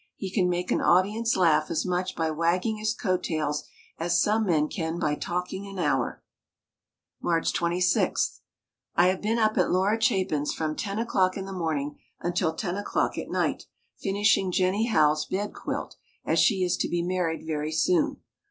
He can make an audience laugh as much by wagging his coat tails as some men can by talking an hour. March 26. I have been up at Laura Chapin's from 10 o'clock in the morning until 10 at night, finishing Jennie Howell's bed quilt, as she is to be married very soon.